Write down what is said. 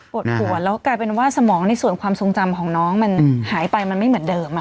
ปวดหัวแล้วกลายเป็นว่าสมองในส่วนความทรงจำของน้องมันหายไปมันไม่เหมือนเดิม